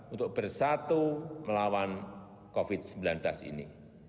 untuk bersatu melawan covid sembilan belas ini